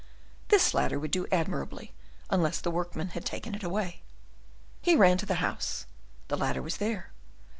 This ladder would do admirably, unless the workmen had taken it away. He ran to the house: the ladder was there.